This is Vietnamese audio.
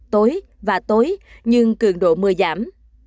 tối và tối nhưng cường độ mưa giảm